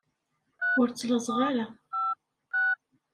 Ur ttlaẓeɣ ara.